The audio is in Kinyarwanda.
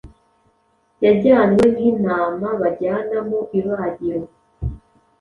Yajyanywe nk’intama bajyana mu ibagiro,